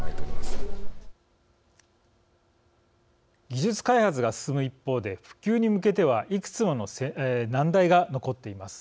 技術開発が進む一方で普及に向けてはいくつもの難題が残っています。